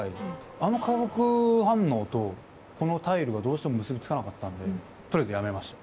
あの化学反応とこのタイルがどうしても結び付かなかったんでとりあえずやめました。